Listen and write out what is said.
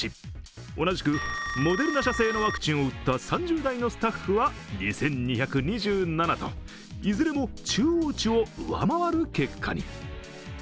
同じくモデルナ社製のワクチンを打った３０代のスタッフは２２２７といずれも中央値を上回る結果に。